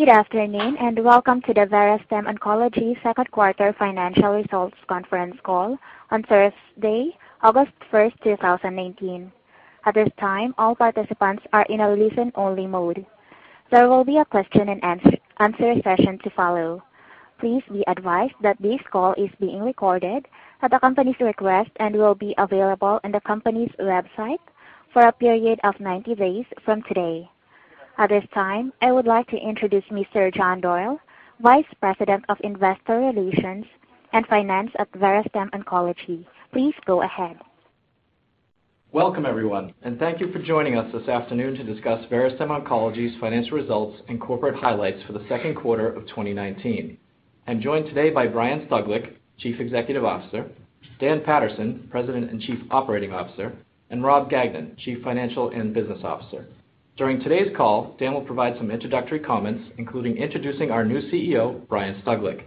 Good afternoon, and welcome to the Verastem Oncology second quarter financial results conference call on Thursday, August 1st, 2019. At this time, all participants are in a listen-only mode. There will be a question and answer session to follow. Please be advised that this call is being recorded at the company's request and will be available on the company's website for a period of 90 days from today. At this time, I would like to introduce Mr. John Doyle, Vice President of Investor Relations and Finance at Verastem Oncology. Please go ahead. Welcome, everyone, and thank you for joining us this afternoon to discuss Verastem Oncology's financial results and corporate highlights for the second quarter of 2019. I'm joined today by Brian Stuglik, Chief Executive Officer, Dan Paterson, President and Chief Operating Officer, and Rob Gagnon, Chief Financial and Business Officer. During today's call, Dan will provide some introductory comments, including introducing our new CEO, Brian Stuglik.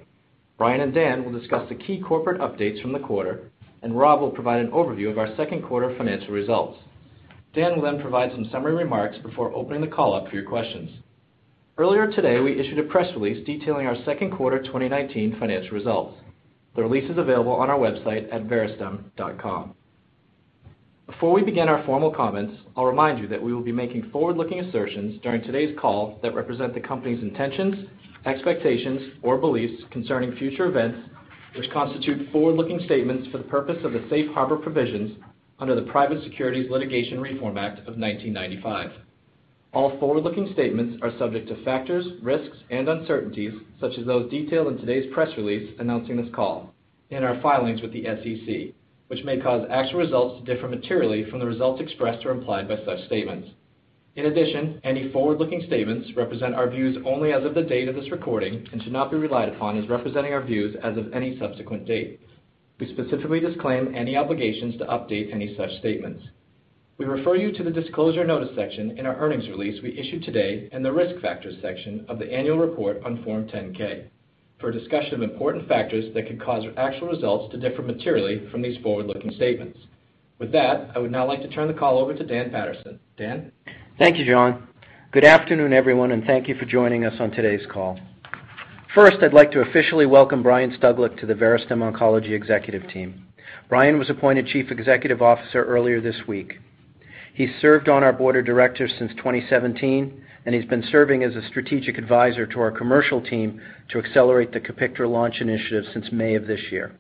Brian and Dan will discuss the key corporate updates from the quarter. Rob will provide an overview of our second quarter financial results. Dan will provide some summary remarks before opening the call up for your questions. Earlier today, we issued a press release detailing our second quarter 2019 financial results. The release is available on our website at verastem.com. Before we begin our formal comments, I'll remind you that we will be making forward-looking assertions during today's call that represent the company's intentions, expectations, or beliefs concerning future events, which constitute forward-looking statements for the purpose of the safe harbor provisions under the Private Securities Litigation Reform Act of 1995. All forward-looking statements are subject to factors, risks, and uncertainties, such as those detailed in today's press release announcing this call in our filings with the SEC, which may cause actual results to differ materially from the results expressed or implied by such statements. In addition, any forward-looking statements represent our views only as of the date of this recording and should not be relied upon as representing our views as of any subsequent date. We specifically disclaim any obligations to update any such statements. We refer you to the Disclosure Notice section in our earnings release we issued today and the Risk Factors section of the annual report on Form 10-K for a discussion of important factors that could cause actual results to differ materially from these forward-looking statements. With that, I would now like to turn the call over to Dan Paterson. Dan? Thank you, John. Good afternoon, everyone, and thank you for joining us on today's call. First, I'd like to officially welcome Brian Stuglik to the Verastem Oncology executive team. Brian was appointed Chief Executive Officer earlier this week. He served on our board of directors since 2017, and he's been serving as a strategic advisor to our commercial team to accelerate the COPIKTRA launch initiative since May of this year.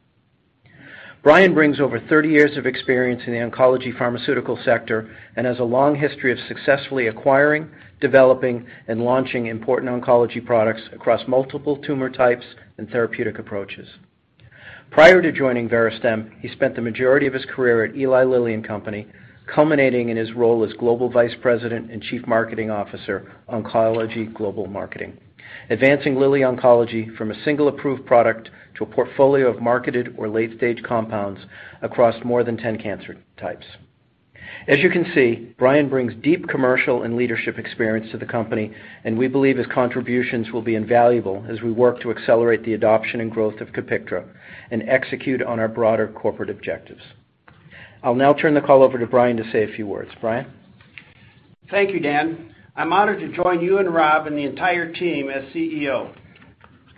Brian brings over 30 years of experience in the oncology pharmaceutical sector and has a long history of successfully acquiring, developing, and launching important oncology products across multiple tumor types and therapeutic approaches. Prior to joining Verastem, he spent the majority of his career at Eli Lilly and Company, culminating in his role as Global Vice President and Chief Marketing Officer, Oncology Global Marketing, advancing Lilly Oncology from a single approved product to a portfolio of marketed or late-stage compounds across more than 10 cancer types. As you can see, Brian brings deep commercial and leadership experience to the company, and we believe his contributions will be invaluable as we work to accelerate the adoption and growth of COPIKTRA and execute on our broader corporate objectives. I'll now turn the call over to Brian to say a few words. Brian? Thank you, Dan. I'm honored to join you and Rob and the entire team as CEO.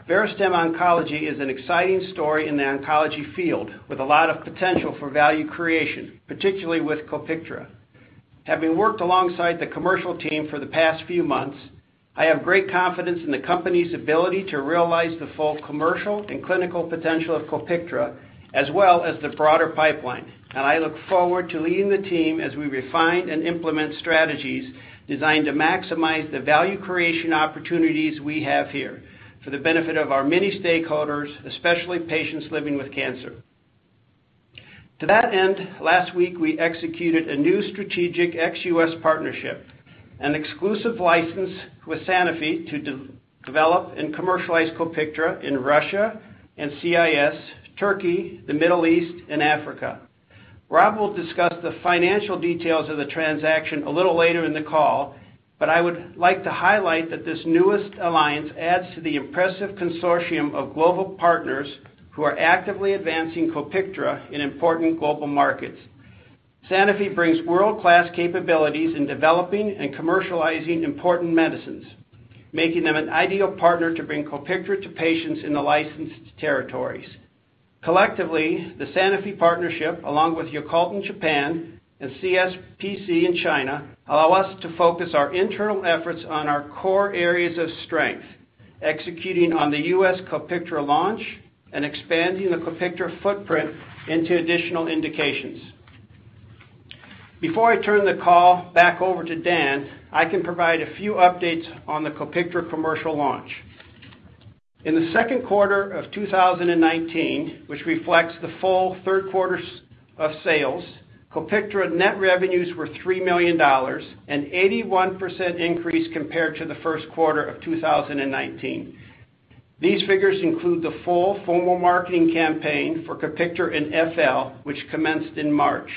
Verastem Oncology is an exciting story in the oncology field, with a lot of potential for value creation, particularly with COPIKTRA. Having worked alongside the commercial team for the past few months, I have great confidence in the company's ability to realize the full commercial and clinical potential of COPIKTRA, as well as the broader pipeline, and I look forward to leading the team as we refine and implement strategies designed to maximize the value creation opportunities we have here for the benefit of our many stakeholders, especially patients living with cancer. To that end, last week, we executed a new strategic ex-U.S. partnership, an exclusive license with Sanofi to develop and commercialize COPIKTRA in Russia and CIS, Turkey, the Middle East, and Africa. Rob will discuss the financial details of the transaction a little later in the call, but I would like to highlight that this newest alliance adds to the impressive consortium of global partners who are actively advancing COPIKTRA in important global markets. Sanofi brings world-class capabilities in developing and commercializing important medicines, making them an ideal partner to bring COPIKTRA to patients in the licensed territories. Collectively, the Sanofi partnership, along with Yakult in Japan and CSPC in China, allow us to focus our internal efforts on our core areas of strength, executing on the U.S. COPIKTRA launch and expanding the COPIKTRA footprint into additional indications. Before I turn the call back over to Dan, I can provide a few updates on the COPIKTRA commercial launch. In the second quarter of 2019, which reflects the full third quarter of sales, COPIKTRA net revenues were $3 million, an 81% increase compared to the first quarter of 2019. These figures include the full formal marketing campaign for COPIKTRA in FL, which commenced in March.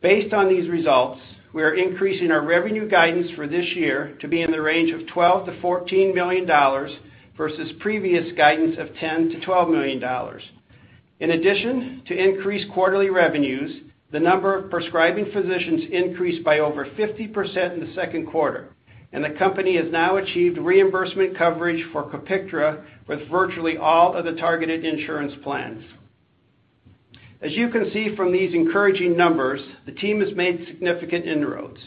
Based on these results, we are increasing our revenue guidance for this year to be in the range of $12 million-$14 million versus previous guidance of $10 million-$12 million. In addition to increased quarterly revenues, the number of prescribing physicians increased by over 50% in the second quarter, and the company has now achieved reimbursement coverage for COPIKTRA with virtually all of the targeted insurance plans. As you can see from these encouraging numbers, the team has made significant inroads.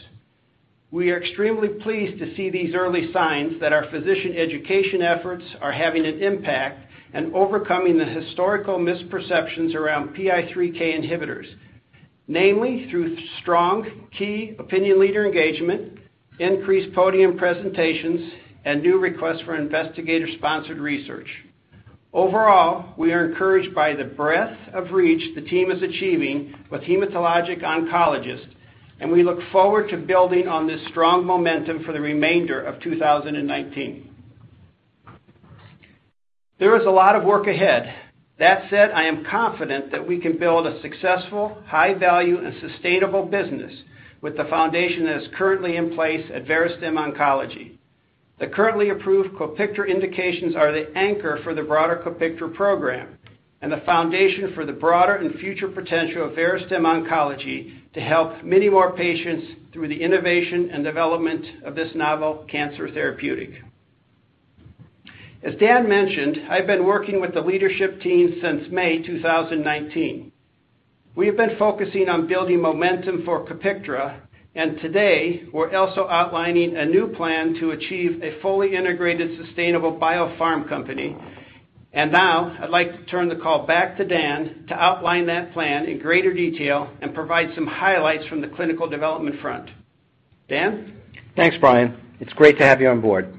We are extremely pleased to see these early signs that our physician education efforts are having an impact in overcoming the historical misperceptions around PI3K inhibitors, namely through strong key opinion leader engagement, increased podium presentations, and new requests for investigator-sponsored research. Overall, we are encouraged by the breadth of reach the team is achieving with hematologic oncologists, and we look forward to building on this strong momentum for the remainder of 2019. There is a lot of work ahead. That said, I am confident that we can build a successful, high-value, and sustainable business with the foundation that is currently in place at Verastem Oncology. The currently approved COPIKTRA indications are the anchor for the broader COPIKTRA program and the foundation for the broader and future potential of Verastem Oncology to help many more patients through the innovation and development of this novel cancer therapeutic. As Dan mentioned, I've been working with the leadership team since May 2019. We have been focusing on building momentum for COPIKTRA, and today we're also outlining a new plan to achieve a fully integrated, sustainable biopharm company. Now I'd like to turn the call back to Dan to outline that plan in greater detail and provide some highlights from the clinical development front. Dan? Thanks, Brian. It's great to have you on board.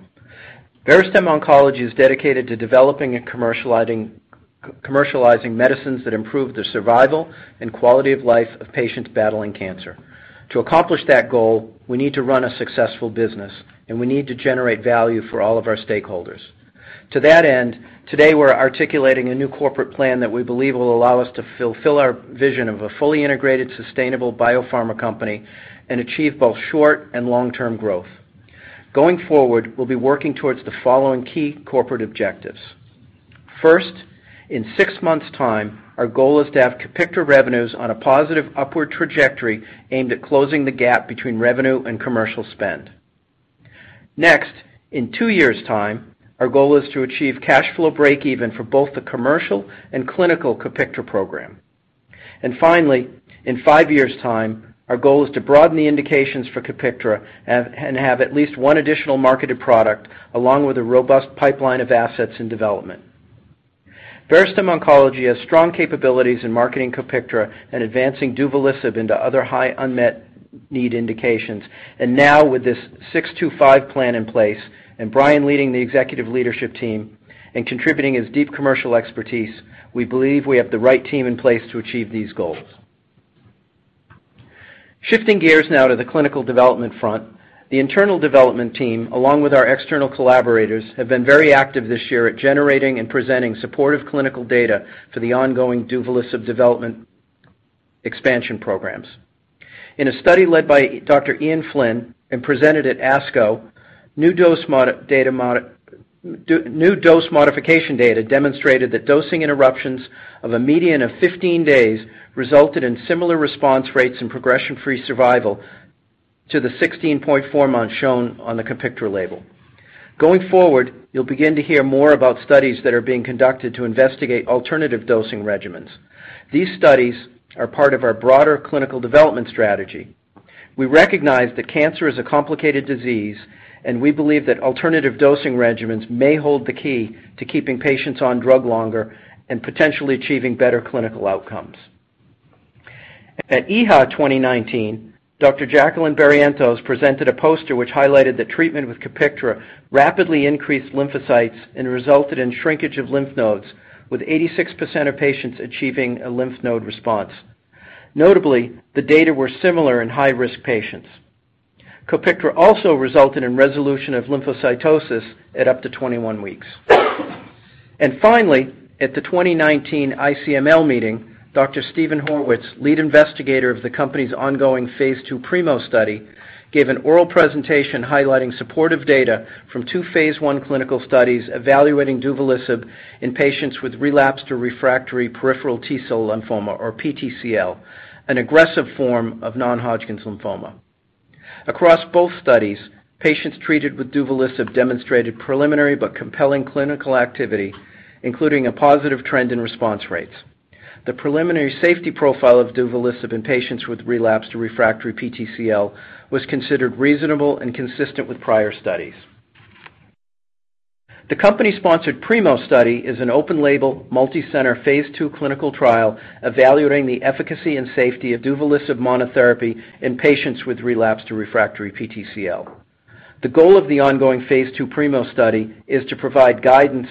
Verastem Oncology is dedicated to developing and commercializing medicines that improve the survival and quality of life of patients battling cancer. To accomplish that goal, we need to run a successful business, and we need to generate value for all of our stakeholders. To that end, today, we're articulating a new corporate plan that we believe will allow us to fulfill our vision of a fully integrated, sustainable biopharma company and achieve both short- and long-term growth. Going forward, we'll be working towards the following key corporate objectives. First, in six months' time, our goal is to have COPIKTRA revenues on a positive upward trajectory aimed at closing the gap between revenue and commercial spend. Next, in two years' time, our goal is to achieve cash flow breakeven for both the commercial and clinical COPIKTRA program. Finally, in 5 years' time, our goal is to broaden the indications for COPIKTRA and have at least one additional marketed product, along with a robust pipeline of assets in development. Verastem Oncology has strong capabilities in marketing COPIKTRA and advancing duvelisib into other high unmet need indications. Now, with this 625 plan in place and Brian leading the executive leadership team and contributing his deep commercial expertise, we believe we have the right team in place to achieve these goals. Shifting gears now to the clinical development front. The internal development team, along with our external collaborators, have been very active this year at generating and presenting supportive clinical data for the ongoing duvelisib development expansion programs. In a study led by Dr. Ian Flinn and presented at ASCO, new dose modification data demonstrated that dosing interruptions of a median of 15 days resulted in similar response rates and progression-free survival to the 16.4 months shown on the COPIKTRA label. Going forward, you'll begin to hear more about studies that are being conducted to investigate alternative dosing regimens. These studies are part of our broader clinical development strategy. We recognize that cancer is a complicated disease, and we believe that alternative dosing regimens may hold the key to keeping patients on drug longer and potentially achieving better clinical outcomes. At EHA 2019, Dr. Jacqueline Barrientos presented a poster which highlighted that treatment with COPIKTRA rapidly increased lymphocytes and resulted in shrinkage of lymph nodes, with 86% of patients achieving a lymph node response. Notably, the data were similar in high-risk patients. COPIKTRA also resulted in resolution of lymphocytosis at up to 21 weeks. Finally, at the 2019 ICML meeting, Dr. Steven M. Horwitz, lead investigator of the company's ongoing Phase II PRIMO study, gave an oral presentation highlighting supportive data from two Phase I clinical studies evaluating duvelisib in patients with relapsed or refractory peripheral T-cell lymphoma, or PTCL, an aggressive form of non-Hodgkin's lymphoma. Across both studies, patients treated with duvelisib demonstrated preliminary but compelling clinical activity, including a positive trend in response rates. The preliminary safety profile of duvelisib in patients with relapsed or refractory PTCL was considered reasonable and consistent with prior studies. The company-sponsored PRIMO study is an open-label, multicenter, Phase II clinical trial evaluating the efficacy and safety of duvelisib monotherapy in patients with relapsed or refractory PTCL. The goal of the ongoing Phase II PRIMO study is to provide guidance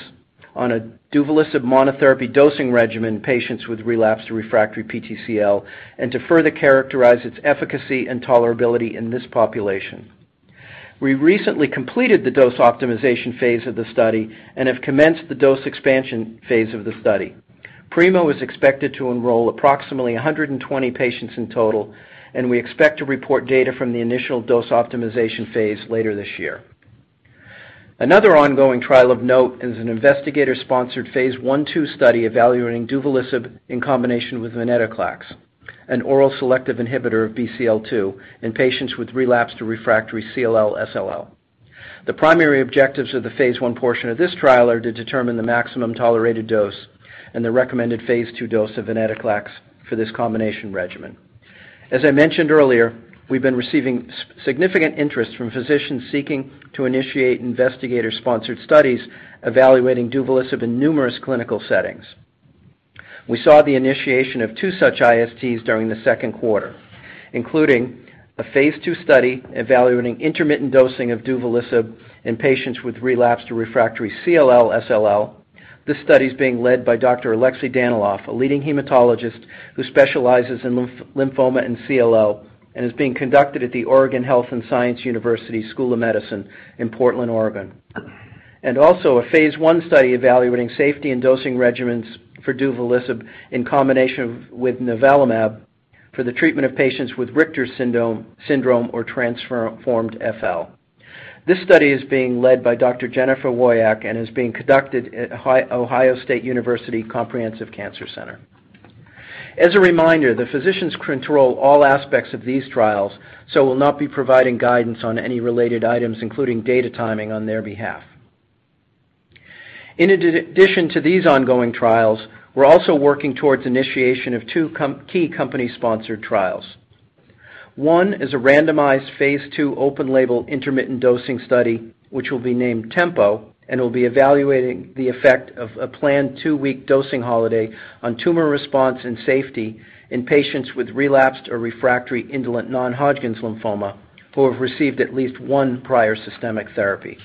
on a duvelisib monotherapy dosing regimen in patients with relapsed or refractory PTCL and to further characterize its efficacy and tolerability in this population. We recently completed the dose optimization phase of the study and have commenced the dose expansion phase of the study. PRIMO is expected to enroll approximately 120 patients in total, and we expect to report data from the initial dose optimization phase later this year. Another ongoing trial of note is an investigator-sponsored Phase I/II study evaluating duvelisib in combination with venetoclax, an oral selective inhibitor of BCL-2 in patients with relapsed to refractory CLL/SLL. The primary objectives of the Phase I portion of this trial are to determine the maximum tolerated dose and the recommended Phase II dose of venetoclax for this combination regimen. As I mentioned earlier, we've been receiving significant interest from physicians seeking to initiate investigator-sponsored studies evaluating duvelisib in numerous clinical settings. We saw the initiation of two such ISTs during the second quarter, including a Phase II study evaluating intermittent dosing of duvelisib in patients with relapsed to refractory CLL/SLL. This study is being led by Dr. Alexey Danilov, a leading hematologist who specializes in lymphoma and CLL, and is being conducted at the Oregon Health & Science University School of Medicine in Portland, Oregon. Also a Phase I study evaluating safety and dosing regimens for duvelisib in combination with nivolumab for the treatment of patients with Richter syndrome or transformed FL. This study is being led by Dr. Jennifer Woyach and is being conducted at Ohio State University Comprehensive Cancer Center. As a reminder, the physicians control all aspects of these trials, so will not be providing guidance on any related items, including data timing on their behalf. In addition to these ongoing trials, we're also working towards initiation of two key company-sponsored trials. One is a randomized phase II open-label intermittent dosing study, which will be named TEMPO, and will be evaluating the effect of a planned two-week dosing holiday on tumor response and safety in patients with relapsed or refractory indolent non-Hodgkin's lymphoma who have received at least one prior systemic therapy.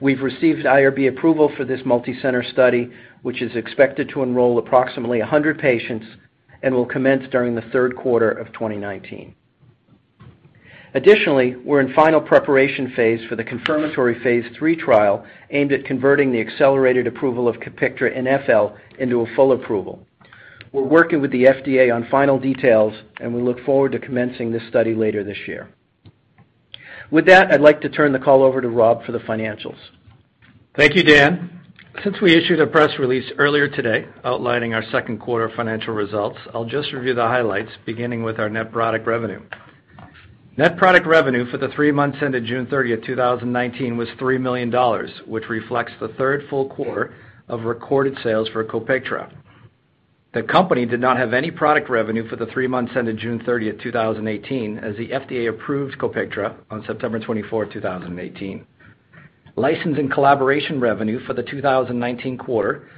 We've received IRB approval for this multi-center study, which is expected to enroll approximately 100 patients and will commence during the third quarter of 2019. We're in final preparation phase for the confirmatory phase III trial aimed at converting the accelerated approval of COPIKTRA in FL into a full approval. We're working with the FDA on final details, and we look forward to commencing this study later this year. With that, I'd like to turn the call over to Rob for the financials. Thank you, Dan. Since we issued a press release earlier today outlining our second quarter financial results, I'll just review the highlights, beginning with our net product revenue. Net product revenue for the three months ended June 30th, 2019 was $3 million, which reflects the third full quarter of recorded sales for COPIKTRA. The company did not have any product revenue for the three months ended June 30th, 2018, as the FDA approved COPIKTRA on September 24, 2018. License and collaboration revenue for the 2019 quarter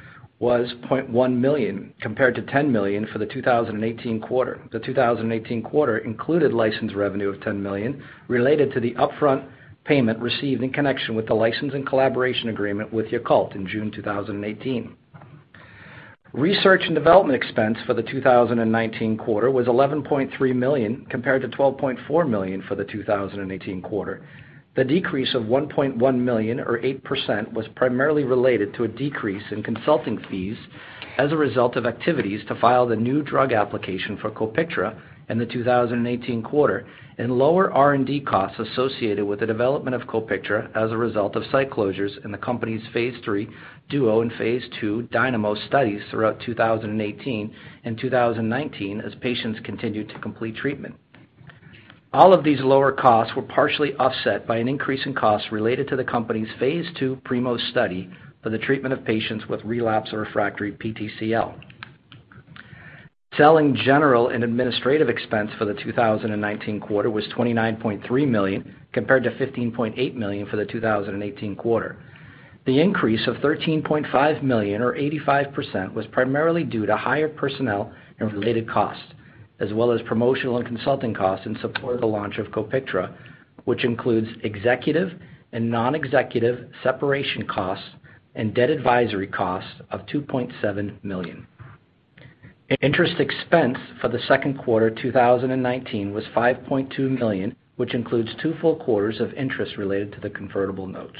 was $0.1 million compared to $10 million for the 2018 quarter. The 2018 quarter included license revenue of $10 million related to the upfront payment received in connection with the license and collaboration agreement with Yakult in June 2018. Research and development expense for the 2019 quarter was $11.3 million compared to $12.4 million for the 2018 quarter. The decrease of $1.1 million or 8% was primarily related to a decrease in consulting fees as a result of activities to file the new drug application for COPIKTRA in the 2018 quarter and lower R&D costs associated with the development of COPIKTRA as a result of site closures in the company's phase III DUO and phase II DYNAMO studies throughout 2018 and 2019, as patients continued to complete treatment. All of these lower costs were partially offset by an increase in costs related to the company's phase II PRIMO study for the treatment of patients with relapse or refractory PTCL. Selling, general, and administrative expense for the 2019 quarter was $29.3 million, compared to $15.8 million for the 2018 quarter. The increase of $13.5 million or 85% was primarily due to higher personnel and related costs, as well as promotional and consulting costs in support of the launch of COPIKTRA, which includes executive and non-executive separation costs and debt advisory costs of $2.7 million. Interest expense for the second quarter 2019 was $5.2 million, which includes two full quarters of interest related to the convertible notes.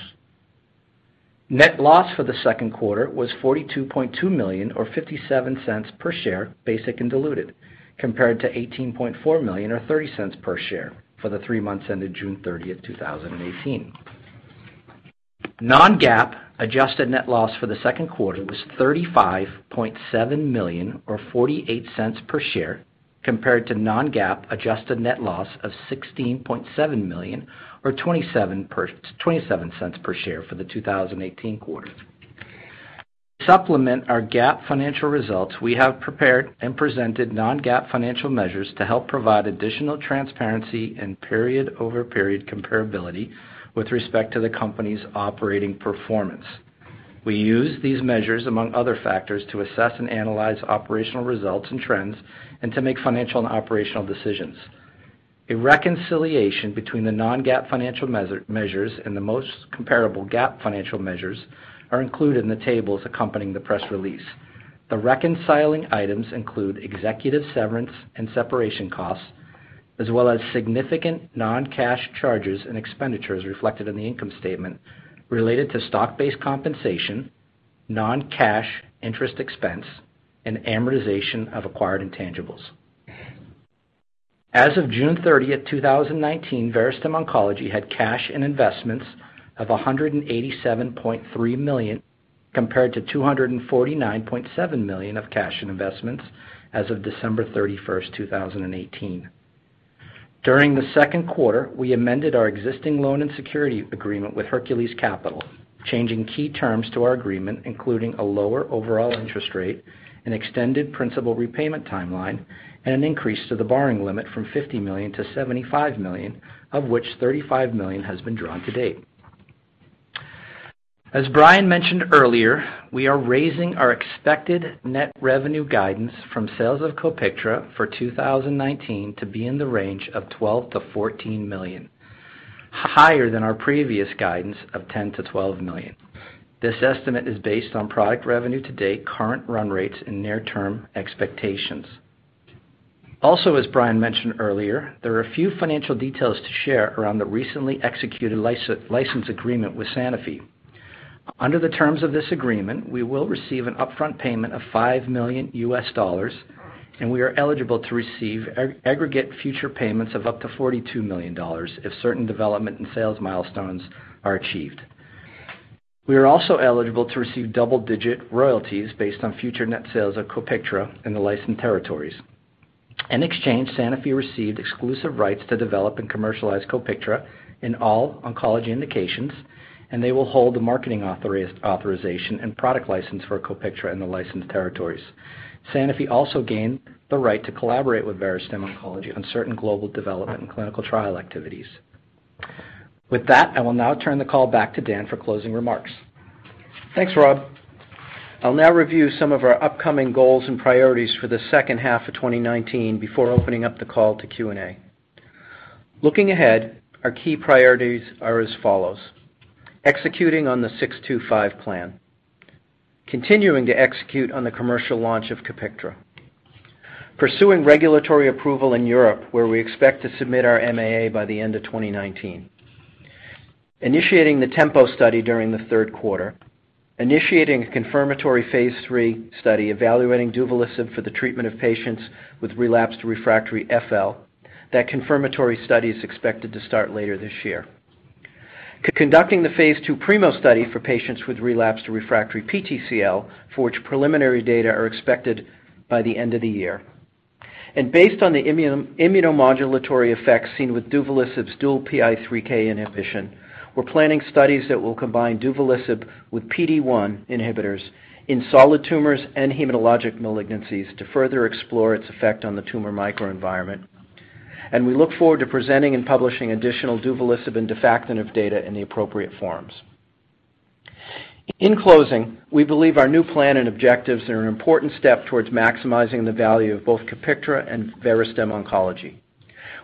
Net loss for the second quarter was $42.2 million or $0.57 per share, basic and diluted, compared to $18.4 million or $0.30 per share for the three months ended June 30th, 2018. Non-GAAP adjusted net loss for the second quarter was $35.7 million or $0.48 per share compared to non-GAAP adjusted net loss of $16.7 million or $0.27 per share for the 2018 quarter. To supplement our GAAP financial results, we have prepared and presented non-GAAP financial measures to help provide additional transparency and period-over-period comparability with respect to the company's operating performance. We use these measures among other factors, to assess and analyze operational results and trends and to make financial and operational decisions. A reconciliation between the non-GAAP financial measures and the most comparable GAAP financial measures are included in the tables accompanying the press release. The reconciling items include executive severance and separation costs, as well as significant non-cash charges and expenditures reflected in the income statement related to stock-based compensation, non-cash interest expense, and amortization of acquired intangibles. As of June 30th, 2019, Verastem Oncology had cash and investments of $187.3 million compared to $249.7 million of cash and investments as of December 31st, 2018. During the second quarter, we amended our existing loan and security agreement with Hercules Capital, changing key terms to our agreement, including a lower overall interest rate, an extended principal repayment timeline, and an increase to the borrowing limit from $50 million to $75 million, of which $35 million has been drawn to date. As Brian mentioned earlier, we are raising our expected net revenue guidance from sales of COPIKTRA for 2019 to be in the range of $12 million-$14 million, higher than our previous guidance of $10 million-$12 million. This estimate is based on product revenue to date, current run rates, and near-term expectations. Also, as Brian mentioned earlier, there are a few financial details to share around the recently executed license agreement with Sanofi. Under the terms of this agreement, we will receive an upfront payment of $5 million, and we are eligible to receive aggregate future payments of up to $42 million if certain development and sales milestones are achieved. We are also eligible to receive double-digit royalties based on future net sales of COPIKTRA in the licensed territories. In exchange, Sanofi received exclusive rights to develop and commercialize COPIKTRA in all oncology indications, and they will hold the marketing authorization and product license for COPIKTRA in the licensed territories. Sanofi also gained the right to collaborate with Verastem Oncology on certain global development and clinical trial activities. With that, I will now turn the call back to Dan for closing remarks. Thanks, Rob. I'll now review some of our upcoming goals and priorities for the second half of 2019 before opening up the call to Q&A. Looking ahead, our key priorities are as follows. Executing on the 625 plan. Continuing to execute on the commercial launch of COPIKTRA. Pursuing regulatory approval in Europe, where we expect to submit our MAA by the end of 2019. Initiating the TEMPO study during the third quarter. Initiating a confirmatory phase III study evaluating duvelisib for the treatment of patients with relapsed/refractory FL. That confirmatory study is expected to start later this year. Conducting the phase II PRIMO study for patients with relapsed/refractory PTCL, for which preliminary data are expected by the end of the year. Based on the immunomodulatory effects seen with duvelisib's dual PI3K inhibition, we're planning studies that will combine duvelisib with PD-1 inhibitors in solid tumors and hematologic malignancies to further explore its effect on the tumor microenvironment. We look forward to presenting and publishing additional duvelisib and defactinib data in the appropriate forums. In closing, we believe our new plan and objectives are an important step towards maximizing the value of both COPIKTRA and Verastem Oncology.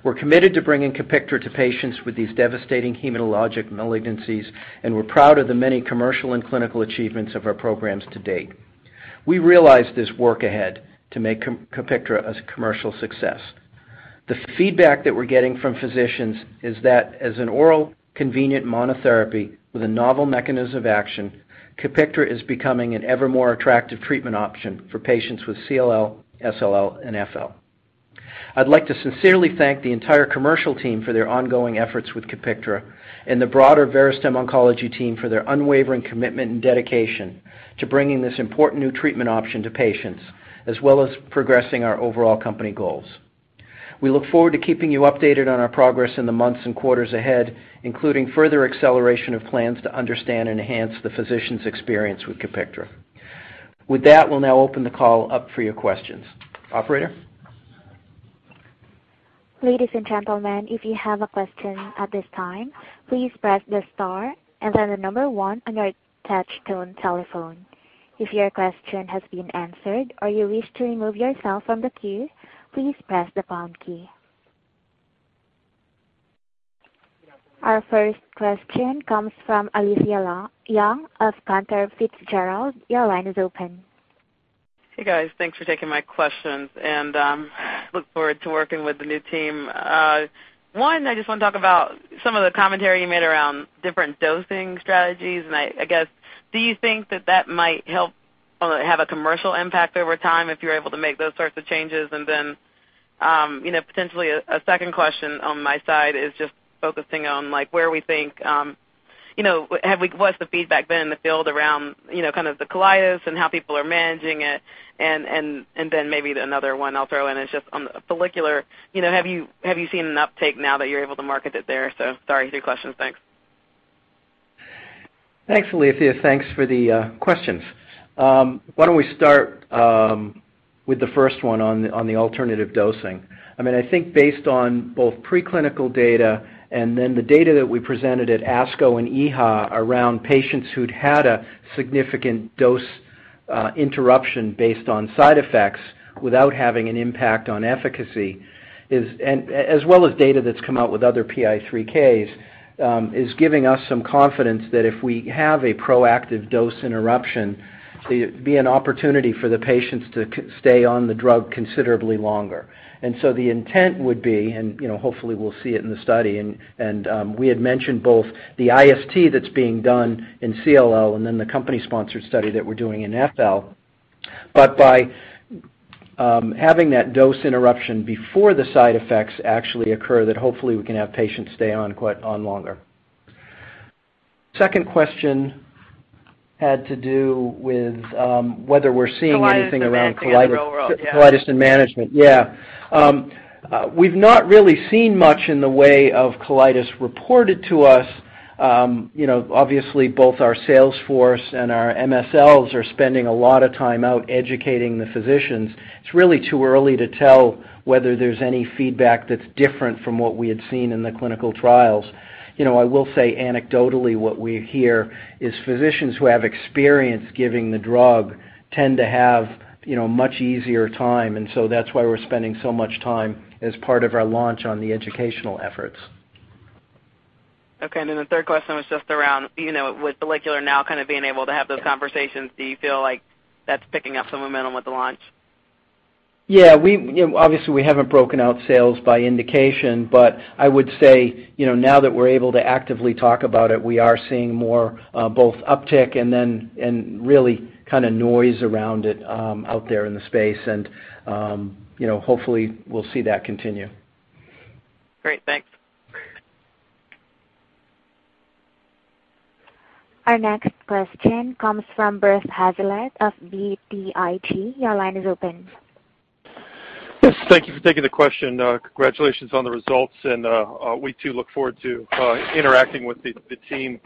We're committed to bringing COPIKTRA to patients with these devastating hematologic malignancies, and we're proud of the many commercial and clinical achievements of our programs to date. We realize there's work ahead to make COPIKTRA a commercial success. The feedback that we're getting from physicians is that as an oral convenient monotherapy with a novel mechanism of action, COPIKTRA is becoming an ever more attractive treatment option for patients with CLL, SLL, and FL. I'd like to sincerely thank the entire commercial team for their ongoing efforts with COPIKTRA and the broader Verastem Oncology team for their unwavering commitment and dedication to bringing this important new treatment option to patients, as well as progressing our overall company goals. We look forward to keeping you updated on our progress in the months and quarters ahead, including further acceleration of plans to understand and enhance the physician's experience with COPIKTRA. With that, we'll now open the call up for your questions. Operator? Ladies and gentlemen, if you have a question at this time, please press the star and then the number one on your touch tone telephone. If your question has been answered or you wish to remove yourself from the queue, please press the pound key. Our first question comes from Alethia Young of Cantor Fitzgerald. Your line is open. Hey, guys. Thanks for taking my questions and look forward to working with the new team. One, I just want to talk about some of the commentary you made around different dosing strategies, and I guess, do you think that that might help have a commercial impact over time if you're able to make those sorts of changes? Potentially a second question on my side is just focusing on what's the feedback been in the field around kind of the colitis and how people are managing it. Maybe another one I'll throw in is just on follicular. Have you seen an uptake now that you're able to market it there? Sorry, three questions. Thanks. Thanks, Alethia. Thanks for the questions. Why don't we start with the first one on the alternative dosing. I think based on both preclinical data and then the data that we presented at ASCO and EHA around patients who'd had a significant dose interruption based on side effects without having an impact on efficacy, as well as data that's come out with other PI3Ks, is giving us some confidence that if we have a proactive dose interruption, it'd be an opportunity for the patients to stay on the drug considerably longer. The intent would be, and hopefully we'll see it in the study, and we had mentioned both the IST that's being done in CLL and then the company-sponsored study that we're doing in FL. By having that dose interruption before the side effects actually occur, hopefully we can have patients stay on longer. Second question had to do with whether we're seeing anything around. Colitis and fancy in the real world, yeah. colitis and management. Yeah. We've not really seen much in the way of colitis reported to us. Obviously, both our sales force and our MSLs are spending a lot of time out educating the physicians. It's really too early to tell whether there's any feedback that's different from what we had seen in the clinical trials. I will say anecdotally, what we hear is physicians who have experience giving the drug tend to have a much easier time, and so that's why we're spending so much time as part of our launch on the educational efforts. Okay. The third question was just around, with follicular now being able to have those conversations, do you feel like that's picking up some momentum with the launch? Yeah. Obviously, we haven't broken out sales by indication, but I would say, now that we're able to actively talk about it, we are seeing more both uptick and then really noise around it out there in the space, and hopefully we'll see that continue. Great, thanks. Our next question comes from Bert Hazlett of BTIG. Your line is open. Yes, thank you for taking the question. Congratulations on the results. We too look forward to interacting with the team.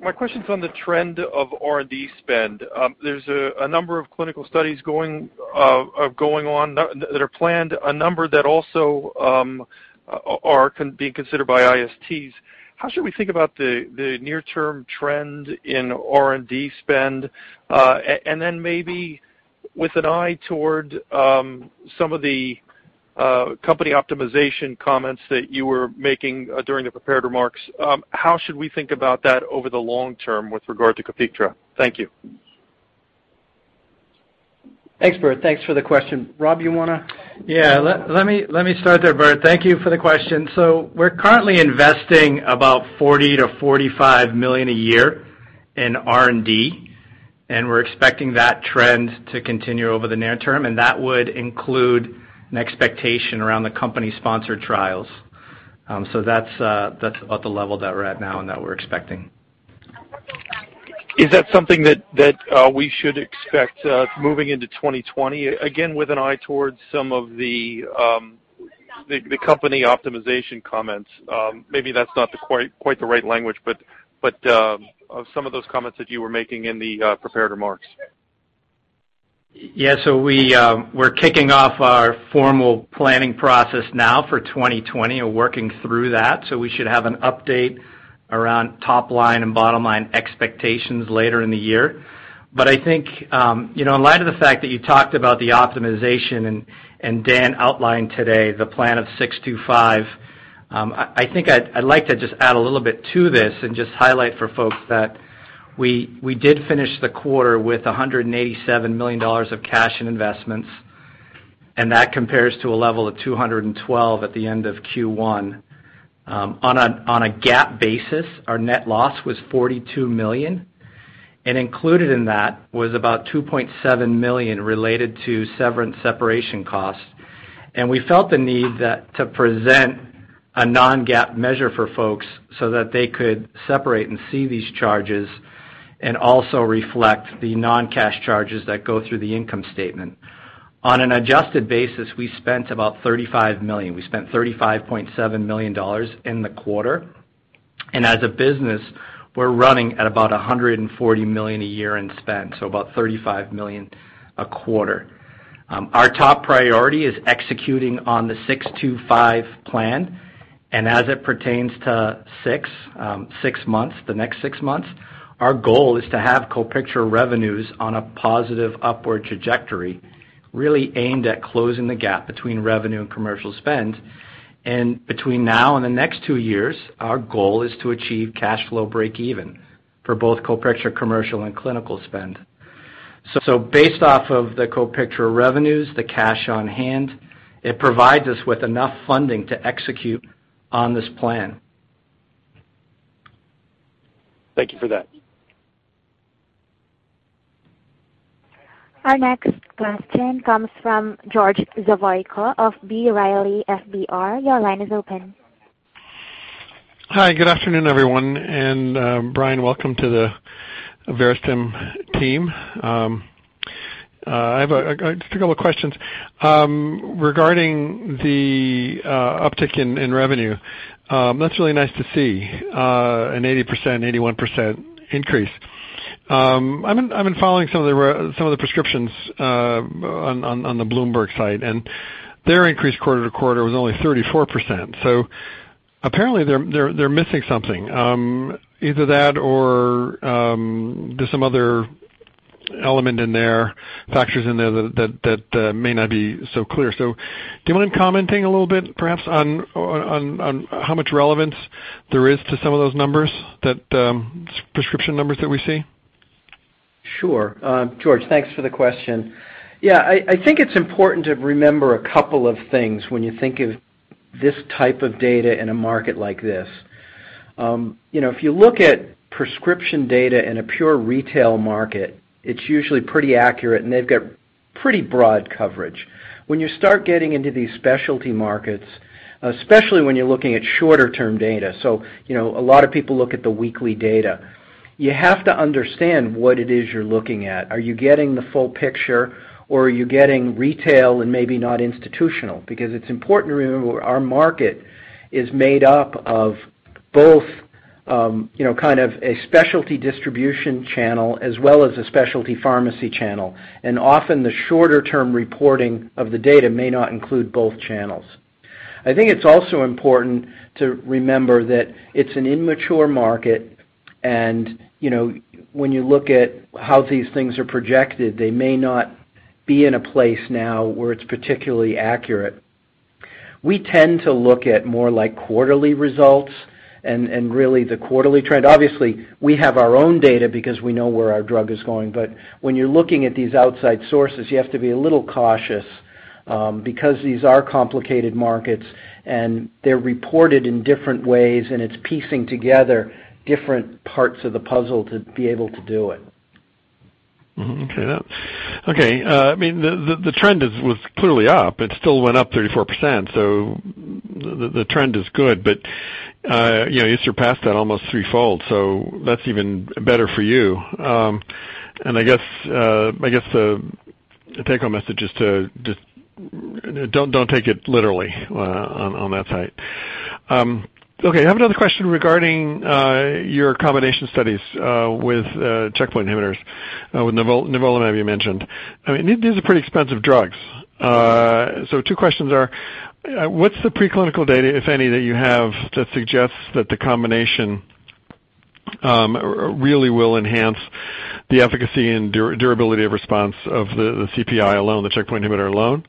My question's on the trend of R&D spend. There's a number of clinical studies going on that are planned, a number that also are being considered by ISTs. How should we think about the near-term trend in R&D spend? Maybe with an eye toward some of the company optimization comments that you were making during the prepared remarks, how should we think about that over the long term with regard to COPIKTRA? Thank you. Thanks, Bert. Thanks for the question. Rob, you want to. Let me start there, Bert. Thank you for the question. We're currently investing about $40 million-$45 million a year in R&D, and we're expecting that trend to continue over the near term, and that would include an expectation around the company-sponsored trials. That's about the level that we're at now and that we're expecting. Is that something that we should expect moving into 2020? Again, with an eye towards some of the company optimization comments. Maybe that's not quite the right language, but some of those comments that you were making in the prepared remarks. We're kicking off our formal planning process now for 2020 and working through that, we should have an update around top line and bottom line expectations later in the year. I think in light of the fact that you talked about the optimization and Dan Paterson outlined today the plan of six, two, five, I think I'd like to just add a little bit to this and just highlight for folks that we did finish the quarter with $187 million of cash and investments, and that compares to a level of $212 at the end of Q1. On a GAAP basis, our net loss was $42 million, and included in that was about $2.7 million related to severance separation costs. We felt the need to present a non-GAAP measure for folks so that they could separate and see these charges and also reflect the non-cash charges that go through the income statement. On an adjusted basis, we spent about $35 million. We spent $35.7 million in the quarter. As a business, we're running at about $140 million a year in spend, so about $35 million a quarter. Our top priority is executing on the 625 plan, and as it pertains to six months, the next six months, our goal is to have COPIKTRA revenues on a positive upward trajectory, really aimed at closing the gap between revenue and commercial spend. Between now and the next two years, our goal is to achieve cash flow break even for both COPIKTRA commercial and clinical spend. Based off of the COPIKTRA revenues, the cash on hand, it provides us with enough funding to execute on this plan. Thank you for that. Our next question comes from George Zavoico of B. Riley FBR. Your line is open. Hi, good afternoon, everyone. Brian, welcome to the Verastem team. I have just a couple of questions. Regarding the uptick in revenue, that's really nice to see an 80%-81% increase. I've been following some of the prescriptions on the Bloomberg, and their increase quarter-to-quarter was only 34%. Apparently they're missing something. Either that or there's some other element in there, factors in there that may not be so clear. Do you mind commenting a little bit, perhaps, on how much relevance there is to some of those numbers, the prescription numbers that we see? Sure. George, thanks for the question. Yeah, I think it's important to remember a couple of things when you think of this type of data in a market like this. If you look at prescription data in a pure retail market, it's usually pretty accurate, and they've got pretty broad coverage. When you start getting into these specialty markets, especially when you're looking at shorter term data, so a lot of people look at the weekly data. You have to understand what it is you're looking at. Are you getting the full picture or are you getting retail and maybe not institutional? It's important to remember our market is made up of both a specialty distribution channel as well as a specialty pharmacy channel. Often the shorter term reporting of the data may not include both channels. I think it's also important to remember that it's an immature market, and when you look at how these things are projected, they may not be in a place now where it's particularly accurate. We tend to look at more quarterly results and really the quarterly trend. Obviously, we have our own data because we know where our drug is going. When you're looking at these outside sources, you have to be a little cautious because these are complicated markets and they're reported in different ways, and it's piecing together different parts of the puzzle to be able to do it. Okay. The trend was clearly up. It still went up 34%, so the trend is good, but you surpassed that almost threefold, so that's even better for you. I guess the take home message is to just don't take it literally on that site. Okay. I have another question regarding your combination studies with checkpoint inhibitors with nivolumab you mentioned. These are pretty expensive drugs. Two questions are, what's the preclinical data, if any, that you have that suggests that the combination really will enhance the efficacy and durability of response of the CPI alone, the checkpoint inhibitor alone?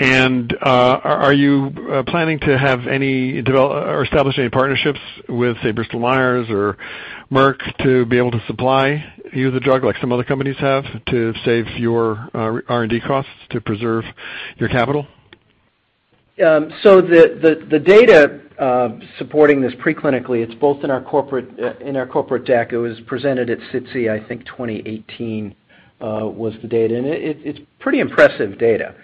Are you planning to have any develop or establish any partnerships with, say, Bristol Myers or Merck to be able to supply you the drug like some other companies have to save your R&D costs to preserve your capital? The data supporting this preclinically, it's both in our corporate deck. It was presented at SITC, I think 2018 was the data. It's pretty impressive data.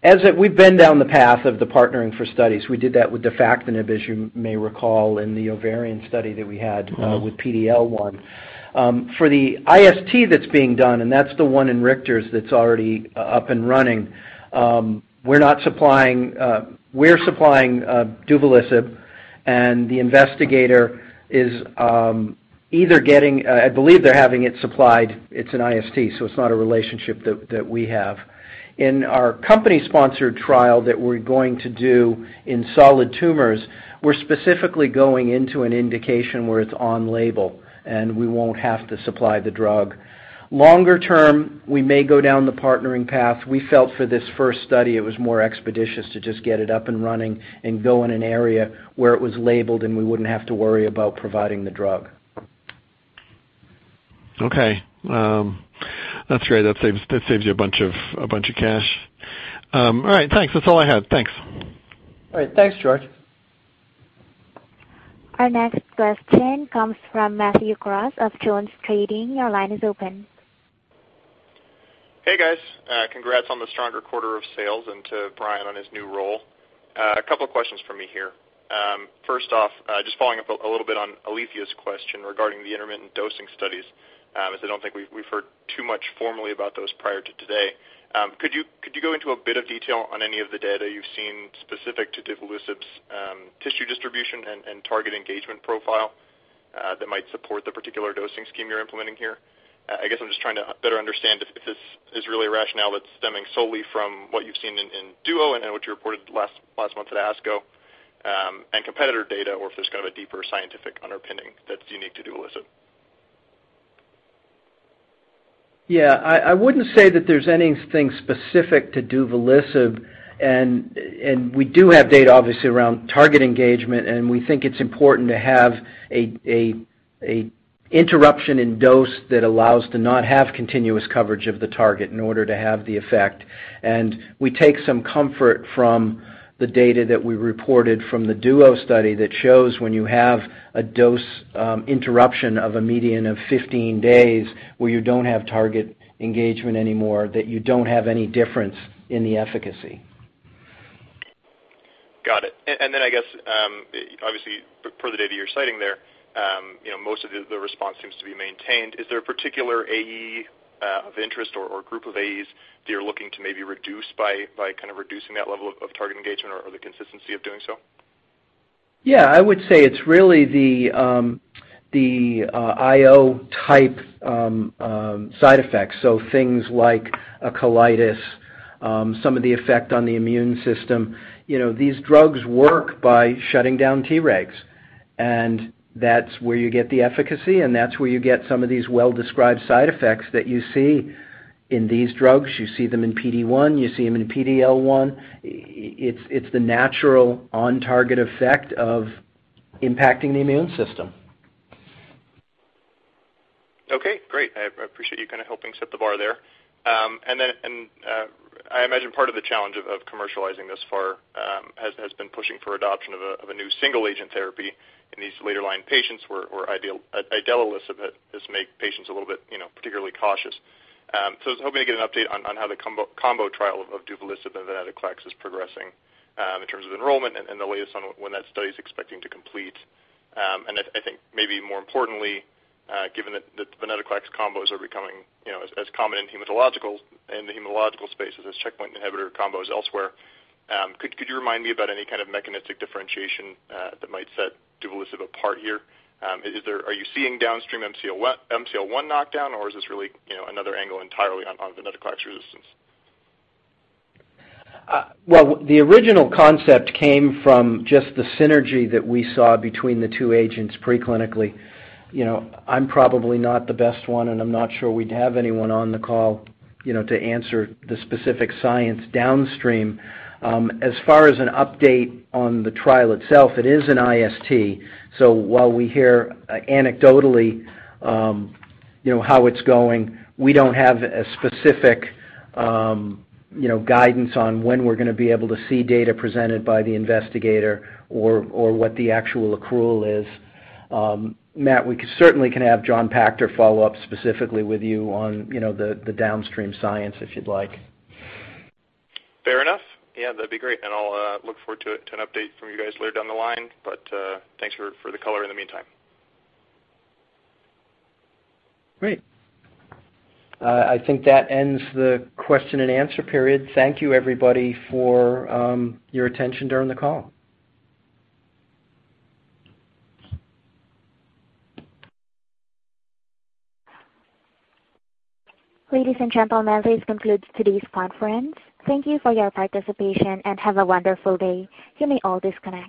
As we've been down the path of the partnering for studies, we did that with defactinib, as you may recall, in the ovarian study that we had with PD-L1. For the IST that's being done, and that's the one in Richter's that's already up and running, we're supplying duvelisib, and the investigator is either getting I believe they're having it supplied. It's an IST, so it's not a relationship that we have. In our company sponsored trial that we're going to do in solid tumors, we're specifically going into an indication where it's on label, and we won't have to supply the drug. Longer term, we may go down the partnering path. We felt for this first study, it was more expeditious to just get it up and running and go in an area where it was labeled, and we wouldn't have to worry about providing the drug. Okay. That's great. That saves you a bunch of cash. All right, thanks. That's all I had. Thanks. All right. Thanks, George. Our next question comes from Matthew Cross of JonesTrading. Your line is open. Hey, guys. Congrats on the stronger quarter of sales and to Brian on his new role. A couple questions for me here. First off, just following up a little bit on Alethia's question regarding the intermittent dosing studies, as I don't think we've heard too much formally about those prior to today. Could you go into a bit of detail on any of the data you've seen specific to duvelisib's tissue distribution and target engagement profile that might support the particular dosing scheme you're implementing here? I guess I'm just trying to better understand if this is really a rationale that's stemming solely from what you've seen in DUO and what you reported last month at ASCO, and competitor data, or if there's kind of a deeper scientific underpinning that's unique to duvelisib. I wouldn't say that there's anything specific to duvelisib, and we do have data, obviously, around target engagement, and we think it's important to have an interruption in dose that allows to not have continuous coverage of the target in order to have the effect. We take some comfort from the data that we reported from the DUO study that shows when you have a dose interruption of a median of 15 days where you don't have target engagement anymore, that you don't have any difference in the efficacy. Got it. I guess, obviously for the data you're citing there, most of the response seems to be maintained. Is there a particular AE of interest or group of AEs that you're looking to maybe reduce by kind of reducing that level of target engagement or the consistency of doing so? Yeah, I would say it's really the IO type side effects, so things like a colitis, some of the effect on the immune system. These drugs work by shutting down Tregs, and that's where you get the efficacy, and that's where you get some of these well-described side effects that you see in these drugs. You see them in PD-1. You see them in PD-L1. It's the natural on target effect of impacting the immune system. Okay, great. I appreciate you helping set the bar there. I imagine part of the challenge of commercializing this far has been pushing for adoption of a new single-agent therapy in these later-line patients where idelalisib has made patients a little bit particularly cautious. I was hoping to get an update on how the combo trial of duvelisib and venetoclax is progressing in terms of enrollment and the latest on when that study is expecting to complete. I think maybe more importantly, given that the venetoclax combos are becoming as common in the hematological space as checkpoint inhibitor combos elsewhere, could you remind me about any kind of mechanistic differentiation that might set duvelisib apart here? Are you seeing downstream MCL1 knockdown, or is this really another angle entirely on venetoclax resistance? Well, the original concept came from just the synergy that we saw between the two agents pre-clinically. I'm probably not the best one, and I'm not sure we'd have anyone on the call to answer the specific science downstream. As far as an update on the trial itself, it is an IST, so while we hear anecdotally how it's going, we don't have a specific guidance on when we're going to be able to see data presented by the investigator or what the actual accrual is. Matt, we certainly can have Jonathan Pachter follow up specifically with you on the downstream science, if you'd like. Fair enough. Yeah, that'd be great. I'll look forward to an update from you guys later down the line. Thanks for the color in the meantime. Great. I think that ends the question and answer period. Thank you everybody for your attention during the call. Ladies and gentlemen, this concludes today's conference. Thank you for your participation, and have a wonderful day. You may all disconnect.